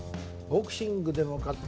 ボクシングで勝つ？